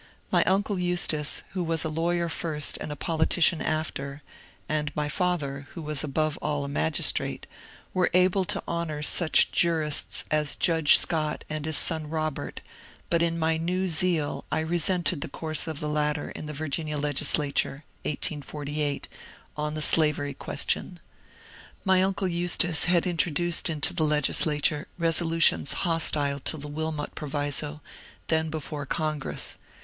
My uncle Eustace, who was a lawyer first and a politician after, and my father, who was above all a magistrate, were able to honour such jur 76 MONCURE DANIEL CONWAY ists as Judge Soott and his son Robert, but in my new zeal I resented the course of the latter in the Virginia Legislature (1848) on the Slavery question. My unde Eustace had intro duced into the Legislature resolutions hostile to the ^^ Wilmot Proviso/' then before Congress.